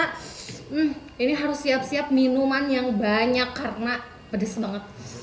hmm ini harus siap siap minuman yang banyak karena pedas banget